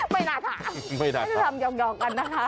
ไม่น่าถามไม่น่าจะทำยอมกันนะคะ